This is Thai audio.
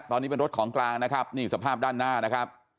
ตอนนี้เป็นรถของกลางนะครับนี่สภาพด้านหน้านะครับ